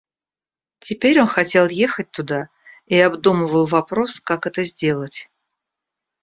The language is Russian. Теперь он хотел ехать туда и обдумывал вопрос, как это сделать.